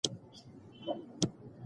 زغم مې له پلاره زده کړی دی.